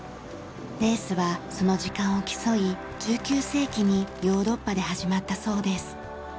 レースはその時間を競い１９世紀にヨーロッパで始まったそうです。